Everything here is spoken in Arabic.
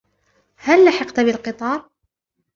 هل لحقتَ بالقطار ؟